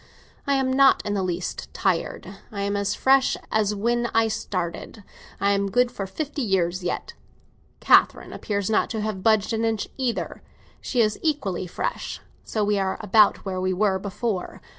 I am not in the least tired; I am as fresh as when I started; I am good for fifty years yet. Catherine appears not to have budged an inch either; she is equally fresh; so we are about where we were before.